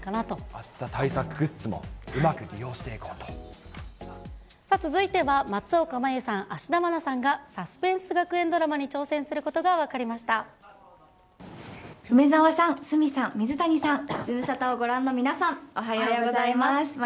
暑さ対策グッズもうまく利用続いては、松岡茉優さん、芦田愛菜さんがサスペンス学園ドラマに挑戦することが分かりまし梅澤さん、鷲見さん、水谷さん、ズムサタをご覧の皆さん、おはようございます。